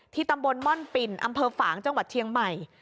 ตำบลม่อนปิ่นอำเภอฝางจังหวัดเชียงใหม่